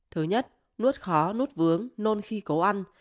thứ nhất nuốt khó nuốt vướng nôn khi cấu ăn